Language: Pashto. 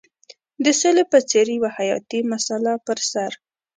د سولې په څېر یوه حیاتي مسله پر سر.